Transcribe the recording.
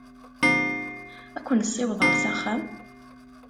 Ad ken-ssiwḍeɣ s axxam?